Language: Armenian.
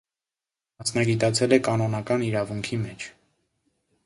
Մասնագիտացել է կանոնական իրավունքի մեջ։